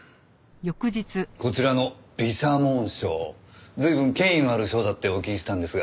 こちらの美写紋賞随分権威のある賞だってお聞きしたんですが。